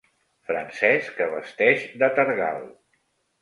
Francès que vesteix de tergal.